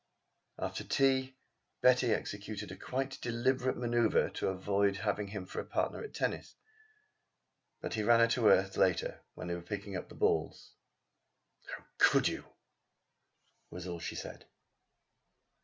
After tea Betty executed a quite deliberate man┼ōuvre to avoid having him for a partner at tennis. But he ran her to earth later, when they were picking up the balls. "How could you?" was all she said.